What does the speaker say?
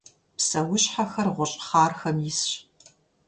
Псэущхьэхэр гъущӏхъархэм исщ.